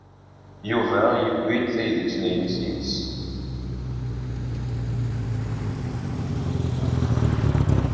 Yuba yewwi-d taydit-nnes yid-s.